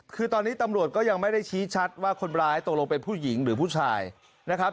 คือตอนนี้ตำรวจก็ยังไม่ได้ชี้ชัดว่าคนร้ายตกลงเป็นผู้หญิงหรือผู้ชายนะครับ